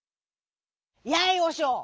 「やいおしょう！